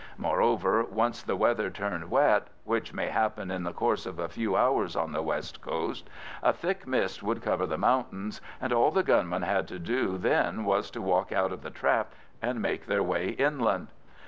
Moreover, once the weather turned wet, which may happen in the course of a few hours on the west coast, a thick mist would cover the mountains, and all the gunmen had to do then was to walk out of the trap and make their way inland.